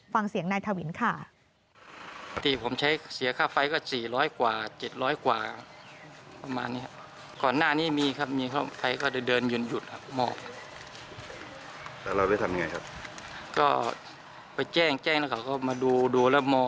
ฟังเสียงนายทวินค่ะ